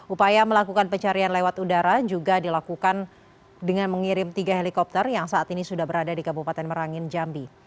upaya melakukan pencarian lewat udara juga dilakukan dengan mengirim tiga helikopter yang saat ini sudah berada di kabupaten merangin jambi